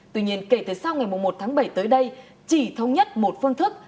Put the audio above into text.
tuy nhiên kể từ sau ngày một tháng bảy tới đây chỉ thống nhất một phương thức